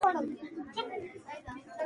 دا دښتې له اعتقاداتو سره تړاو لري.